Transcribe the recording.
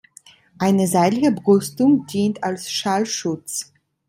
Eine seitliche Brüstung dient als Schallschutz.